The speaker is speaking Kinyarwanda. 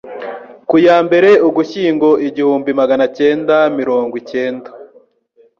Ku ya mbere Ugushyingo igihumbi maganakendana mirongwikenda